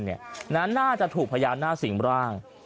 น่าจะถูกพญานาคสิ่งร่าง